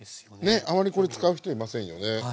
ねあまりこれ使う人いませんよね。